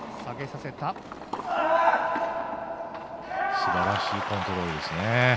すばらしいコントロールですね。